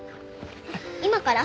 今から？